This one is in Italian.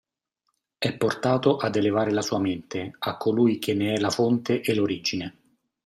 È portato ad elevare la sua mente a colui che ne è la fonte e l'origine.